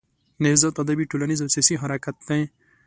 نهضت ادبي، ټولنیز او سیاسي حرکت دی.